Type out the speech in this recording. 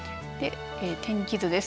天気図です。